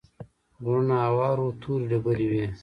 غرونه هوار وو تورې ډبرې وې.